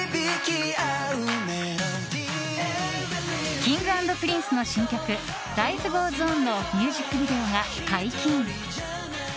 Ｋｉｎｇ＆Ｐｒｉｎｃｅの新曲「Ｌｉｆｅｇｏｅｓｏｎ」のミュージックビデオが解禁。